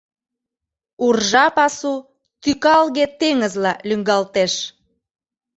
Уржа пасу тӱкалге теҥызла лӱҥгалтеш.